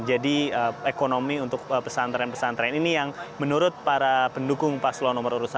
jadi ekonomi untuk pesantren pesantren ini yang menurut para pendukung paslawan nomor dua puluh satu